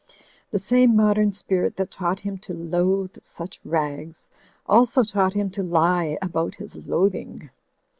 The same modem spirit that taught him to loathe such rags, also taught him to lie about his loathing.